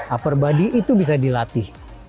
upper body itu bisa dilatih